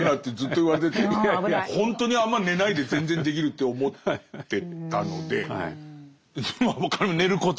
ほんとにあんま寝ないで全然できるって思ってたので寝ること。